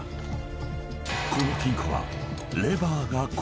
［この金庫は］